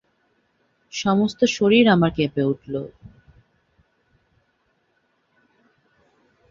সমস্ত শরীর আমার কেঁপে উঠল।